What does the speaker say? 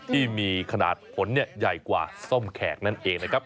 ที่มีขนาดผลใหญ่กว่าส้มแขกนั่นเองนะครับ